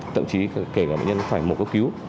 thậm chí kể cả bệnh nhân phải mổ cấp cứu